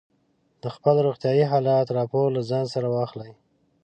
د خپل روغتیايي حالت راپور له ځان سره واخلئ.